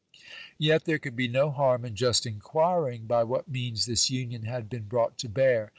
Yet there could be no harm in just inquiring by what means this union had been brought to bear.